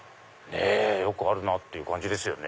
よくあるなぁって感じですよね。